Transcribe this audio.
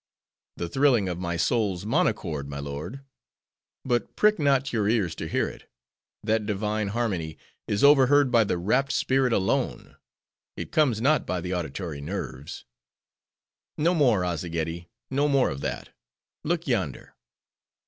"The thrilling of my soul's monochord, my lord. But prick not your ears to hear it; that divine harmony is overheard by the rapt spirit alone; it comes not by the auditory nerves." "No more, Azzageddi! No more of that. Look yonder!"